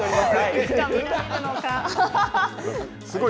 いつか見られるのか。